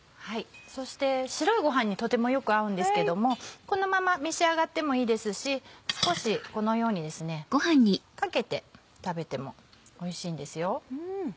そして白いご飯にとてもよく合うんですけどもこのまま召し上がってもいいですし少しこのようにかけて食べてもおいしいんですよ。